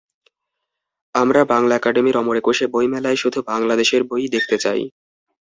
আমরা বাংলা একাডেমির অমর একুশে বইমেলায় শুধু বাংলাদেশের বই-ই দেখতে চাই।